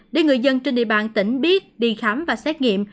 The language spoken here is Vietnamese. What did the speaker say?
để người dân trên địa bàn tỉnh biết đi khám và xét nghiệm